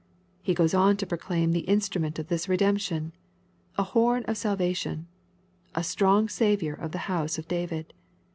He goes on to proclaim the instrument of this redemption, — "a horn of salvation,'' — a strong Saviour of the house of David.